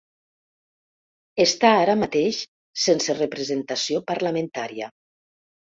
Està ara mateix sense representació parlamentària.